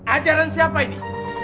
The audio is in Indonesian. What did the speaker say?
ajaran siapa ini